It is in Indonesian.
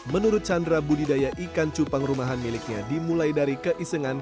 menurut chandra budidaya ikan cupang rumahnya dimulai dari keisengan